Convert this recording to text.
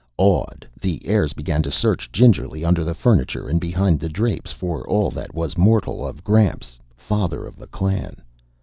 Awed, the heirs began to search gingerly, under the furniture and behind the drapes, for all that was mortal of Gramps, father of the clan.